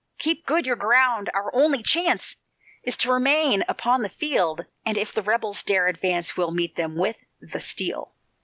Keep good your ground, our only chance Is t' remain upon the field. And if the rebels dare advance, We'll meet them with the steel."